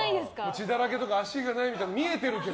血だらけとか足がないとか見えてるけど。